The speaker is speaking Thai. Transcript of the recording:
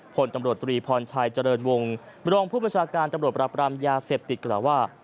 ผลตำรวจตรีพรชัยเจริญวงรองผู้ประชาการตำรวจปรับรามยาเสพติดกล่าวว่า